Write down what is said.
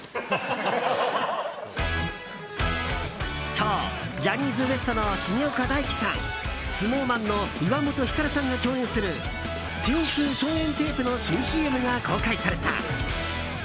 今日、ジャニーズＷＥＳＴの重岡大毅さんＳｎｏｗＭａｎの岩本照さんが共演する鎮痛消炎テープの新ＣＭが公開された。